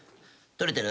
撮れてる？